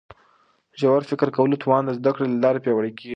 د ژور فکر کولو توان د زده کړي له لارې پیاوړی کیږي.